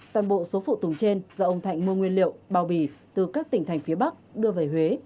toàn bộ số phụ tùng trên do ông thạnh mua nguyên liệu bao bì từ các tỉnh thành phía bắc đưa về huế